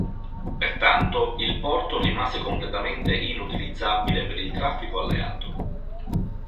Pertanto il porto rimase completamente inutilizzabile per il traffico alleato.